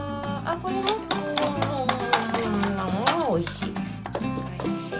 あおいしい。